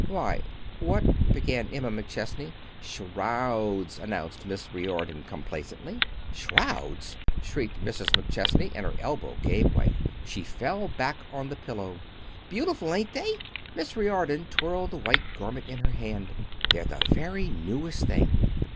"Why, what " began Emma McChesney. "Shrouds!" announced Miss Riordon complacently. "Shrouds!" shrieked Mrs. McChesney, and her elbow gave way. She fell back on the pillow. "Beautiful, ain't they?" Miss Riordon twirled the white garment in her hand. "They're the very newest thing.